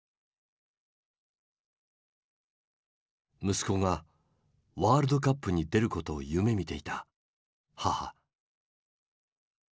息子がワールドカップに出ることを夢みていた母。